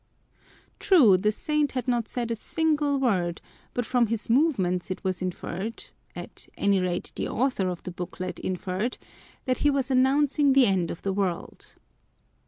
True, the saint had not said a single word, but from his movements it was inferred, at any rate the author of the booklet inferred, that he was announcing the end of the world.